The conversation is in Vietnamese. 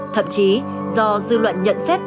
thậm chí do dư luận nhận xét